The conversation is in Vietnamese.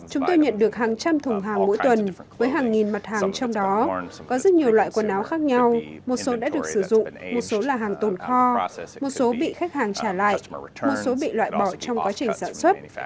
chúng tôi nhận được hàng trăm thùng hàng mỗi tuần với hàng nghìn mặt hàng trong đó có rất nhiều loại quần áo khác nhau một số đã được sử dụng một số là hàng tồn kho một số bị khách hàng trả lại một số bị loại bỏ trong quá trình sản xuất